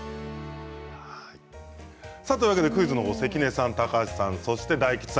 クイズの方は関根さん高橋さん、大吉さん